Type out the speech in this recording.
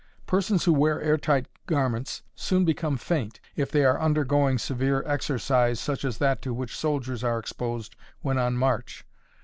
Persons who wear air tight garments soon become faint, if they are undergoing severe exercise, such as that to which soldiers are exposed when on march.